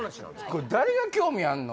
これ誰が興味あんの？